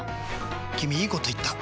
君いいこと言った！